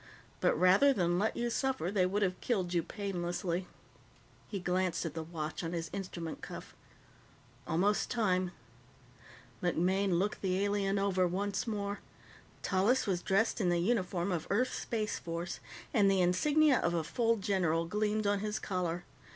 But rather than let you suffer, they would have killed you painlessly." He glanced at the watch on his instrument cuff. "Almost time." MacMaine looked the alien over once more. Tallis was dressed in the uniform of Earth's Space Force, and the insignia of a full general gleamed on his collar.